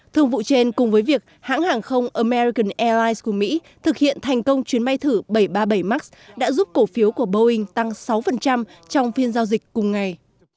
thương vụ trên cùng với việc hãng hàng không american airlines của mỹ thực hiện thành công chuyến bay thử bảy trăm ba mươi bảy max đã giúp cổ phiếu của boeing tăng sáu trong phiên giao dịch cùng ngày